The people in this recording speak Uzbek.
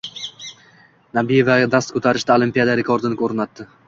Nabiyeva dast ko‘tarishda Olimpiada rekordini o‘rnatdi